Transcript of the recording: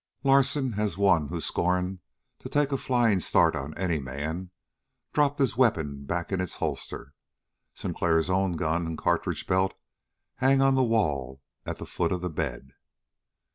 Larsen, as one who scorned to take a flying start on any man, dropped his weapon back in its holster. Sinclair's own gun and cartridge belt hang on the wall at the foot of the bed.